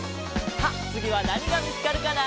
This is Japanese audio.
さあつぎはなにがみつかるかな？